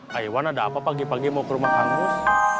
hai wan ada apa pagi pagi mau ke rumah kang mus